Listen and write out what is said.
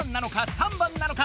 ３番なのか？